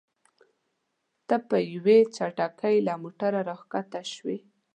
ته په یوې چټکۍ له موټره راښکته شوې.